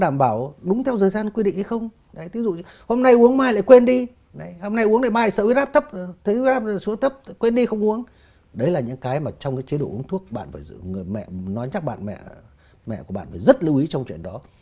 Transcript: mẹ của bạn phải rất lưu ý trong chuyện đó